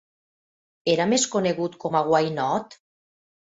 Era més conegut com a Why Not?